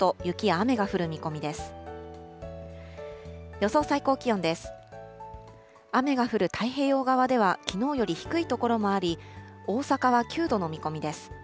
雨が降る太平洋側ではきのうより低い所もあり、大阪は９度の見込みです。